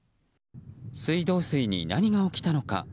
水道水に何が起きたのか。